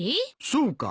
そうか？